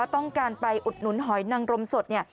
ต้องการไปอุดหนุนหอยนางรมสด